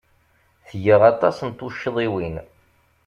Tga aṭas n tuccḍiwin.